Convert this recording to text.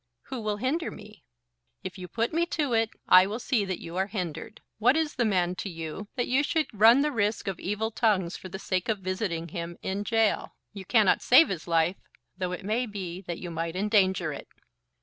"Who will hinder me?" "If you put me to it, I will see that you are hindered. What is the man to you that you should run the risk of evil tongues, for the sake of visiting him in gaol? You cannot save his life, though it may be that you might endanger it."